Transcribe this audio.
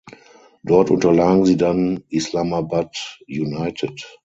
Dort Unterlagen sie dann Islamabad United.